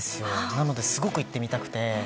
なのですごく行ってみたくて。